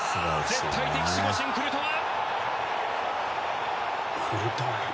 絶対的守護神クルトワ！